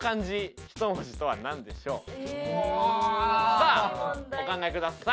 さあお考えください。